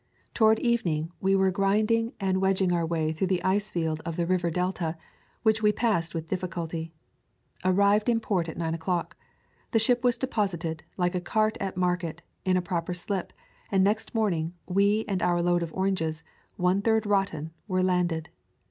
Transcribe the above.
Toward evening we were grinding and wedg ing our way through the ice field of the river delta, which we passed with difficulty. Arrived in port at nine o'clock. The ship was deposited, like a cart at market, in a proper slip, and next morning we and our load of oranges, one third rotten, were landed.